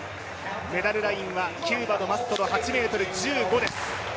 メダルラインはキューバのマッソの８ｍ１５です。